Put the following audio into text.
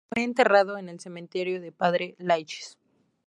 Fue enterrado en el cementerio de Padre-Lachaise.